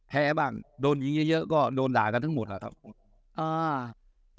บ้างโดนยิงเยอะก็โดนด่ากันทั้งหมดแหละครับ